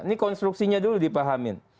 ini konstruksinya dulu dipahamin